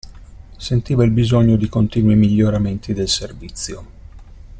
Sentiva il bisogno di continui miglioramenti del servizio.